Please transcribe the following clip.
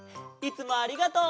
どうもありがとう！